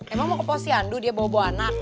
emang apa sih andu dia bawa bawa anak